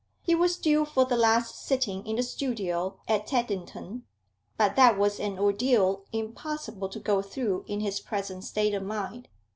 He was due for the last sitting in the studio at Teddington, but that was an ordeal impossible to go through in his present state of mind.